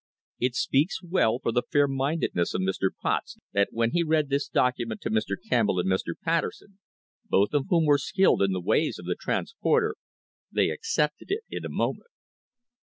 It speaks well for the fair mindedness of Mr. Potts that when he read this docu ment to Mr. Campbell and Mr. Patterson, both of whom were skilled in the ways of the transporter, they "accepted it in a moment."